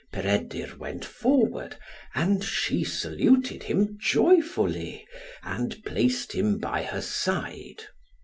Peredur went forward, and she saluted him joyfully, and placed him by her side.